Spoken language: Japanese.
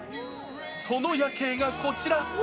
その夜景がこちら。